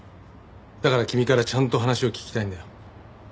だから君からちゃんと話を聞きたいんだよ。